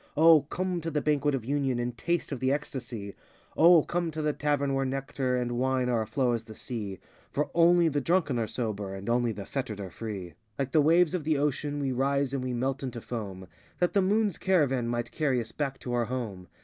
O, come to the Banquet of Union And taste of the ecstasy. O, come to the Tavern where nectar 82 And wine are a flow as the sea. For only the drunken are sober, And only the fettered are free. Like the waves of the ocean we rise and we melt into foam That the Moon's caravan might carry us back to our home.